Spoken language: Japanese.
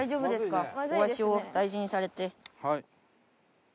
お足を大事にされて。